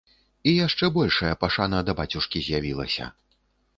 І яшчэ большая пашана да бацюшкі з'явілася.